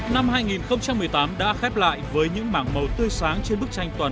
năm hai nghìn một mươi tám đã khép lại với những mảng màu tươi sáng trên bức tranh toàn